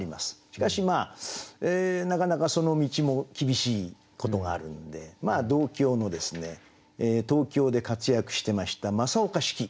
しかしなかなかその道も厳しいことがあるんで同郷の東京で活躍してました正岡子規。